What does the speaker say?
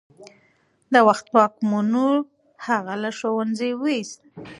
د وخت واکمنو هغه له ښوونځي ویست.